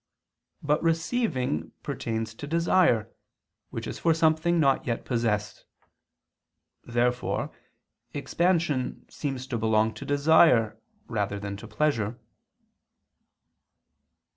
But receiving pertains to desire, which is for something not yet possessed. Therefore expansion seems to belong to desire rather than to pleasure.